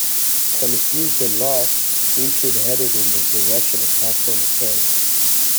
Confused and lost, Richard headed in the direction of platform K.